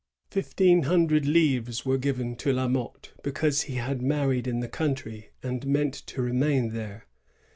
Fifteen hundred Uvres were given to La Motte, because he had married in the country and meant to remain there.